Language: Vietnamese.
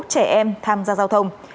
trẻ em tham gia giao thông